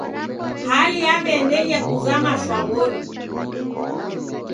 Hali yaw'iaendelia kuzama shwaw'ori.